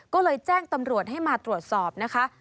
ก็เลยแจ้งตำรวจให้มาตรวจสอบนะคะ